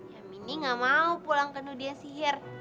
ya mini gak mau pulang ke nudia sihir